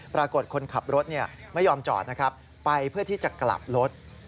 ปรากฏคนขับรถไม่ยอมจอดนะครับไปเพื่อที่จะกลับรถ